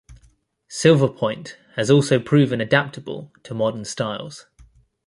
Silverpoint has also proven adaptable to modern styles.